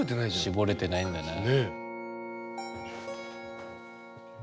絞れてないんだな。